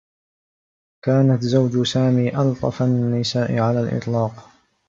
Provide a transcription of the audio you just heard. كانت زوج سامي ألطفَ النساء على الإطلاق.